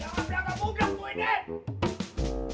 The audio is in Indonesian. jangan berangkat mungkak muhyiddin